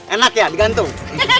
enak ya digantung